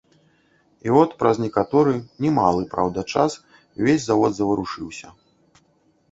І от праз некаторы, немалы, праўда, час увесь завод заварушыўся.